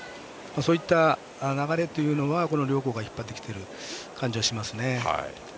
そういった流れというのは両校が引っ張ってきている感じがします。